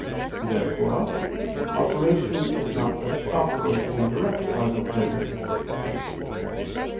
Therefore operation is not the proper and direct cause of pleasure.